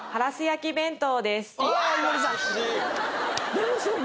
でもすごい。